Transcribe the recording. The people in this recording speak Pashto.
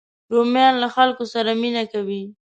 رومیان له خلکو سره مینه کوي